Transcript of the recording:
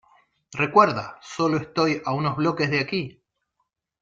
Recuerda, sólo estoy a unos bloques de aquí.